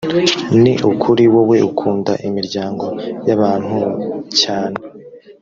ni ukuri, wowe ukunda imiryango y’abantu cyane.